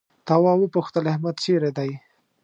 تواب وپوښتل احمد چيرې دی؟